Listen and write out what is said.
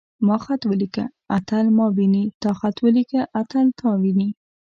ما خط وليکه. اتل ما ويني.تا خط وليکه. اتل تا ويني.